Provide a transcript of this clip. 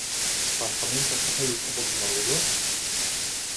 "Pan pamięta kapelusz obok zmarłego?"